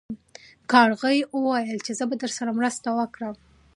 کارغې وویل چې زه به درسره مرسته وکړم.